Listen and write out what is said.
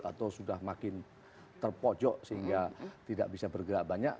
atau sudah makin terpojok sehingga tidak bisa bergerak banyak